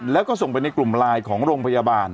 แล้วก็ส่งไปในกลุ่มไลน์ของโรงพยาบาล